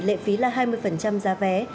lệ phí là hai mươi giá vé